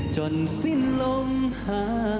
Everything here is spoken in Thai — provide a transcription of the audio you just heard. จนสิ้นลมหายใจ